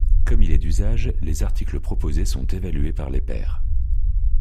Comme il est d'usage, les articles proposés sont évalués par les pairs.